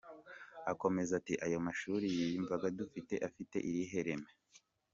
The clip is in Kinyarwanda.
Akomeza ati “ Ayo mashuri y’imyuga dufite, afite irihe reme ?